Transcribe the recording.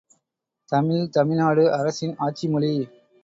தமிழ், தமிழ்நாடு அரசின் ஆட்சிமொழி!